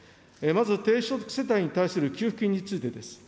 まず、低所得世帯に対する給付金についてです。